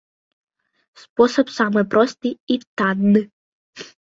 Спосаб самы просты і танны.